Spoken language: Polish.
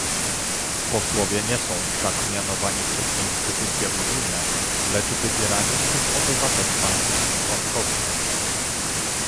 Posłowie nie są wszak mianowani przez instytucje unijne, lecz wybierani przez obywateli państw członkowskich